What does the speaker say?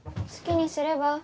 好きにすれば？